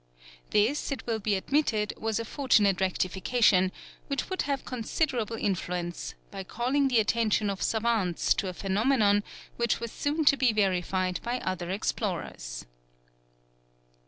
This, it will be admitted, was a fortunate rectification, which would have considerable influence, by calling the attention of savants to a phenomenon which was soon to be verified by other explorers.